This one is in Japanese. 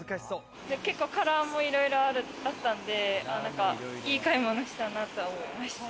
結構、カラーもいろいろあったんで、いい買い物したなって思いました。